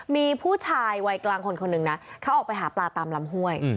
มีผู้ชายวัยกลางคนคนหนึ่งนะเขาออกไปหาปลาตามลำห้วย